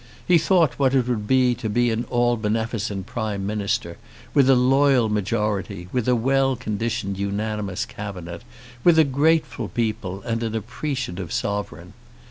He thought what it would be to be an all beneficent Prime Minister, with a loyal majority, with a well conditioned unanimous cabinet, with a grateful people, and an appreciative Sovereign.